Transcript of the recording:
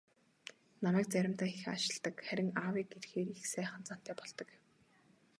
"Намайг заримдаа их аашилдаг, харин аавыг ирэхээр их сайхан зантай болдог" гэв.